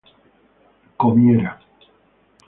comiera